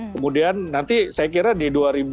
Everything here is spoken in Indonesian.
kemudian nanti saya kira di dua ribu dua puluh